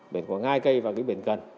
biển khoảng hai cây và cái biển gần